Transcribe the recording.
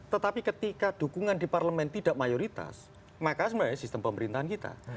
tetapi ketika dukungan di parlemen tidak mayoritas maka sebenarnya sistem pemerintahan kita